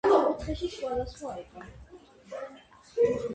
ეიკონი აცხადებს, რომ მისი ცხოვრება სრულიად შეიცვალა.